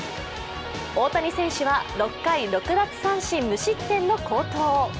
大谷選手は６回６奪三振無失点の好投。